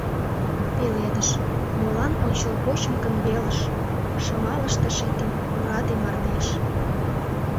Пеледыш, молан ончылгочын гын велыш Шыма лышташетым ораде мардеж?